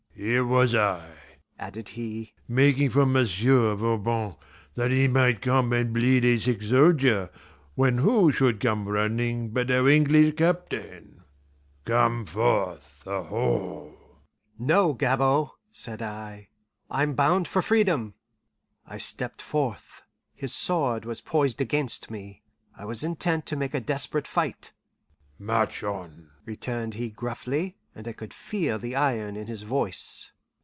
"Here was I," added he, "making for M'sieu' Voban, that he might come and bleed a sick soldier, when who should come running but our English captain! Come forth, aho!" "No, Gabord," said I, "I'm bound for freedom." I stepped forth. His sword was poised against me. I was intent to make a desperate fight. "March on," returned he gruffly, and I could feel the iron in his voice.